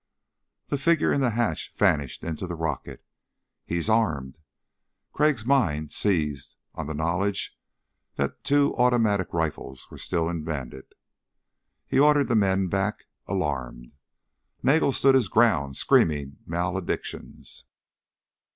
The figure in the hatch vanished into the rocket. He's armed! Crag's mind seized on die knowledge that two automatic rifles were still in Bandit. He ordered the men back, alarmed. Nagel stood his ground screaming maledictions.